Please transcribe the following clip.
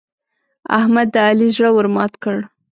احمد د علي زړه ور مات کړ.